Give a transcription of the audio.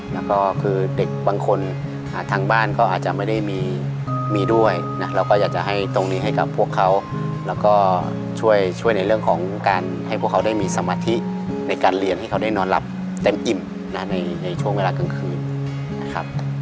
แล้วก็คือเด็กบางคนทางบ้านเขาอาจจะไม่ได้มีด้วยนะเราก็อยากจะให้ตรงนี้ให้กับพวกเขาแล้วก็ช่วยในเรื่องของการให้พวกเขาได้มีสมาธิในการเรียนให้เขาได้นอนหลับเต็มอิ่มในช่วงเวลากลางคืนนะครับ